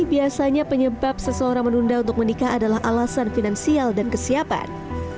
biasanya penyebab seseorang menunda untuk menikah adalah alasan finansial dan kesiapan